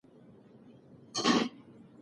بې احترامي کور ورانوي.